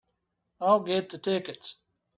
I'll get the tickets.